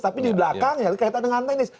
tapi di belakang ya kaitan dengan teknis